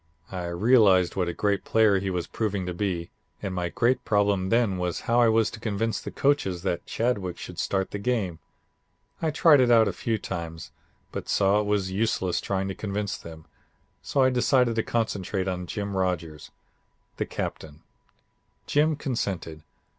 I realized what a great player he was proving to be, and my great problem then was how I was to convince the coaches that Chadwick should start the game. I tried it out a few times, but saw it was useless trying to convince them, so I decided to concentrate on Jim Rodgers, the Captain. Jim consented.